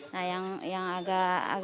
nah yang agak